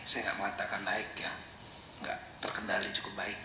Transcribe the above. saya tidak mengatakan naik tidak terkendali cukup baik